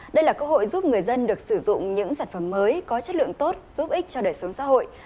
đây là cơ hội giúp người dân được sử dụng những sản phẩm mới có chất lượng tốt giúp ích cho đời sống xã hội